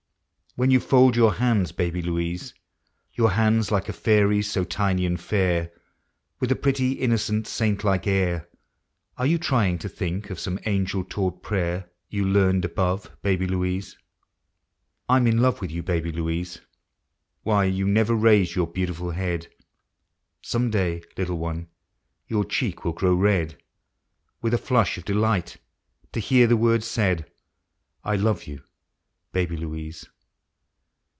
When you fold your hands, Baby Louise, Your hands, like a fairy's, so tiny and fair, With a pretty, innocent, saint like air, Are you trying to think of some angel taught prayer You learned above. Baby Louise? I 'm in love with you. Baby Louise! Why ! you never raise your beautiful head ! Some day, little one, your cheek will grow red With a flush of delight, to hear the word said, " I love you," Baby Louise.